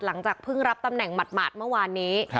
หลังจากเพิ่งรับตำแหน่งหมาดเมื่อวานนี้